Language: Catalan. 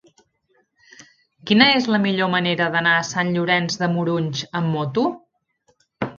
Quina és la millor manera d'anar a Sant Llorenç de Morunys amb moto?